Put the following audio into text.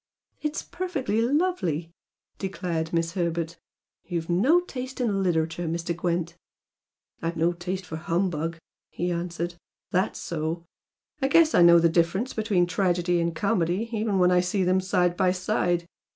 "It's perfectly lovely!" declared Miss Herbert "You've no taste in literature, Mr. Gwent!" "I've no taste for humbug" he answered "That's so! I guess I know the difference between tragedy and comedy, even when I see them side by side."